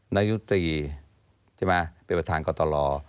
นายกไม่จะเป็นปฐานก่อตลอด